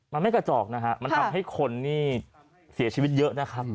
มันไม่กระจอกมันทำให้คนนี่เสียชีวิตเยอะ